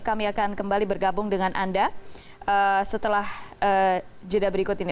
kami akan kembali bergabung dengan anda setelah jeda berikut ini